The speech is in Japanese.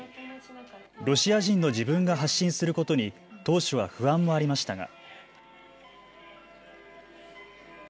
ロシア人の自分が発信することに当初は不安もありましが。